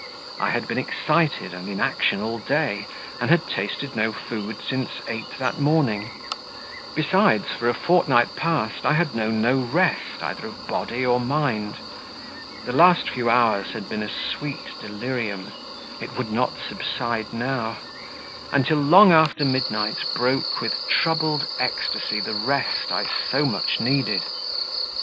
I had been excited and in action all day, and had tasted no food since eight that morning; besides, for a fortnight past, I had known no rest either of body or mind; the last few hours had been a sweet delirium, it would not subside now, and till long after midnight, broke with troubled ecstacy the rest I so much needed.